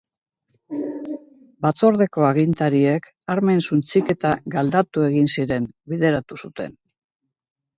Batzordeko agintariek armen suntsiketa –galdatu egin ziren– bideratu zuten.